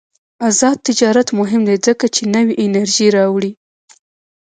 آزاد تجارت مهم دی ځکه چې نوې انرژي راوړي.